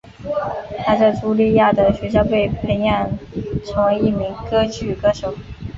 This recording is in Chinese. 她在朱利亚德学校被培养成为一名歌剧歌手。